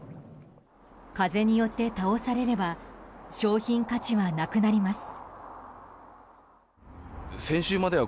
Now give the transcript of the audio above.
風によって倒されれば商品価値はなくなります。